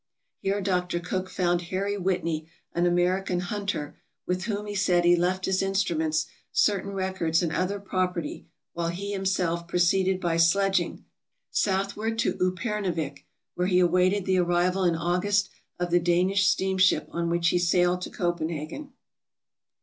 Here Dr. Cook found Harry Whitney, an American hunter, with whom, he said, he left his instruments, certain records, and other property, while he himself proceeded by sledging, southward to Upernivik, where he awaited the arrival, in August, of the Danish Steam ship on which he sailed to Copenhagen.